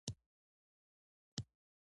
د هغوی مخونو زموږ ترحم نور هم ډېر کړ